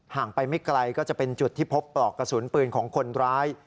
งไปไม่ไกลก็จะเป็นจุดที่พบปลอกกระสุนปืนของคนร้าย